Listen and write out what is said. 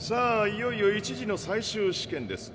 いよいよ１次の最終試験です。